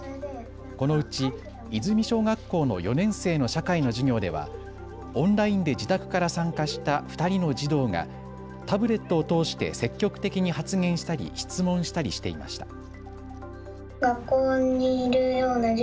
このうち、和泉小学校の４年生の社会の授業ではオンラインで自宅から参加した２人の児童がタブレットを通して積極的に発言したり質問したりしていました。